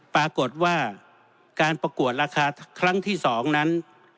ปรากฏว่าการประกวดราคาครั้งที่๒นั้น